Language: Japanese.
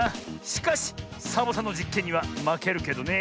しかしサボさんのじっけんにはまけるけどね。